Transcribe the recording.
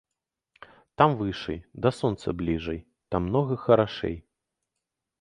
Там вышай, да сонца бліжай, там многа харашэй.